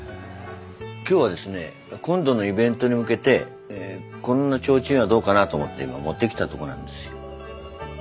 今日はですね今度のイベントに向けてこんな提灯はどうかなと思って今持ってきたとこなんですよ。